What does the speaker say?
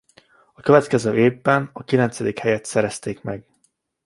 A következő évben a kilencedik helyet szerezték meg.